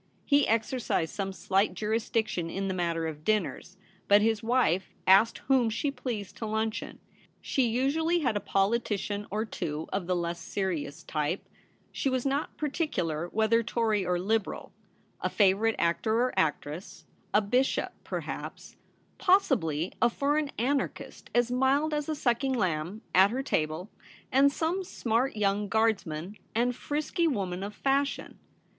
He exercised some slight jurisdiction in the matter of dinners ; but his wife asked whom she pleased to luncheon. She usually had a poli tician or two of the less serious type — she was not particular whether Tory or Liberal ; a favourite actor or actress ; a bishop, per haps ; possibly a foreign anarchist as mild as 252 THE REBEL ROSE. a sucking lamb, at her table, and some smart young Guardsman and frisky woman of fashion.